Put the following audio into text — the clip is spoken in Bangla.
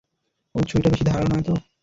ওই ছুড়িটা বেশি ধারালো নয়তো?